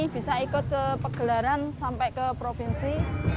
bisa ikut ke pegelaran sampai ke provinsi